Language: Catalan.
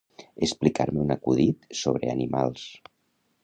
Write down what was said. Explicar-me un acudit sobre animals.